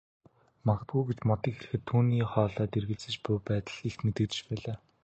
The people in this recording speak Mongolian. Магадгүй гэж Модыг хэлэхэд түүний хоолойд эргэлзэж буй байдал илт мэдрэгдэж байлаа.